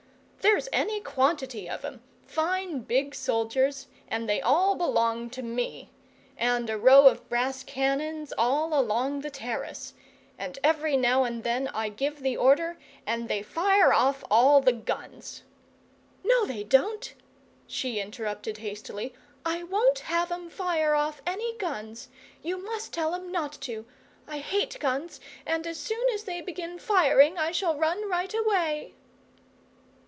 "There's any quantity of 'em, fine big soldiers, and they all belong to me. And a row of brass cannons all along the terrace! And every now and then I give the order, and they fire off all the guns!" "No, they don't," she interrupted hastily. "I won't have 'em fire off any guns! You must tell 'em not to. I hate guns, and as soon as they begin firing I shall run right away!"